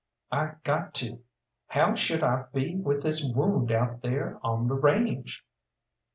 "I got to. How should I be with this wound out there on the range?"